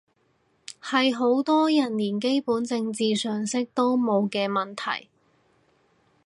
係好多人連基本政治常識都冇嘅問題